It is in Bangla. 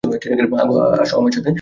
আসো আমার সাথে!